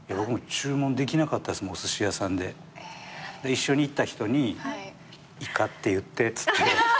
一緒に行った人にいかって言ってっつって。